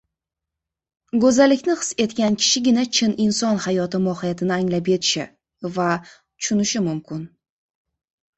Go‘zallikni his etgan kishigina chin inson hayoti mohiyatini anglab yetishi va tushunishi mumkin.